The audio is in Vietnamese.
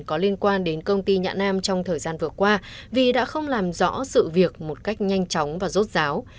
có liên quan đến công ty nhạ nam trong thời gian vừa qua vì đã không làm rõ sự việc một cách nhanh chóng và rốt ráo